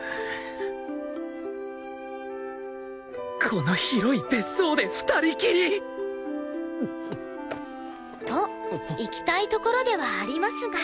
この広い別荘で２人きり！といきたいところではありますが。